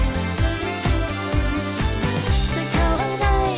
สามารถรับชมได้ทุกวัย